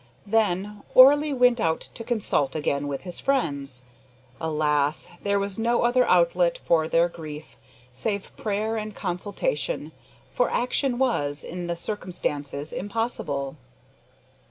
Then Orley went out to consult again with his friends. Alas! there was no other outlet for their grief, save prayer and consultation, for action was, in the circumstances, impossible.